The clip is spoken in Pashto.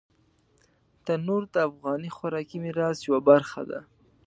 تنور د افغاني خوراکي میراث یوه برخه ده